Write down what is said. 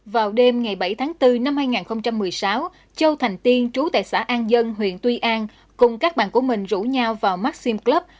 vào đêm ngày bảy tháng bốn năm hai nghìn một mươi sáu châu thành tiên trú tại xã an dân huyện tuy an cùng các bạn của mình rủ nhau vào maxim club